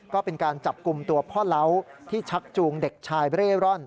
ก็เป็นการจับกลุ่มตัวพ่อเล้าที่ชักจูงเด็กชายเร่ร่อน